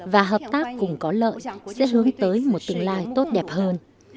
và hợp tác cùng có lợi sẽ hướng tới một tương lai tốt đẹp hơn